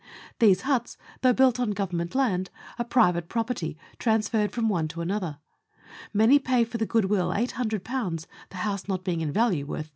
These huts, though built on Government land, are private property transferred from one to another ; many pay for the good will 800, the house not being in value worth 30.